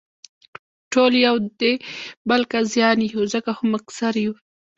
ټول یو دې بل قاضیان یو، ځکه خو مقصر یو.